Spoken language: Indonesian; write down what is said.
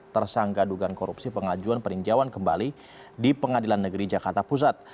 tersangka dugaan korupsi pengajuan peninjauan kembali di pengadilan negeri jakarta pusat